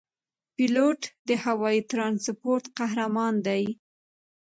پیلوټ د هوايي ترانسپورت قهرمان دی.